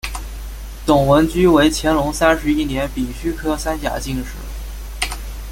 董文驹为乾隆三十一年丙戌科三甲进士。